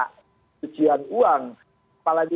kebijakan uang apalagi